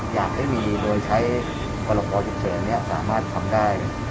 ถ้าถ้าไม่มีโดยใช้กรโภศจุเตรย์เนี่ยสามารถทำได้